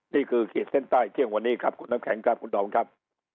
นี่คือเกียรติเส้นใต้เที่ยงวันนี้ครับคุณนับแข็งครับคุณดองครับ